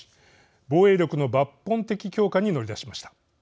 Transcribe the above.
防衛力の抜本的強化に乗り出しました。